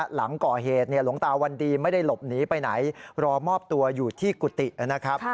หลังก่อเหตุหลวงตาวันดีไม่ได้หลบหนีไปไหนรอมอบตัวอยู่ที่กุฏินะครับ